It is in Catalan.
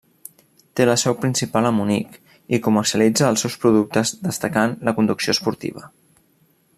Té la seu principal a Munic i comercialitza els seus productes destacant la conducció esportiva.